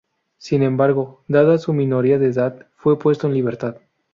Sin embargo, dada su minoría de edad, fue puesto en libertad.